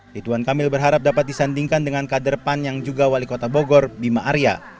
rituan kamil berharap dapat disandingkan dengan kader pan yang juga wali kota bogor bima arya